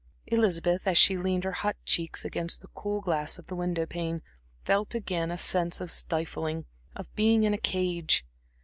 Elizabeth, as she leaned her hot cheek against the cool glass of the window pane, felt again a sense of stifling, of being in a cage.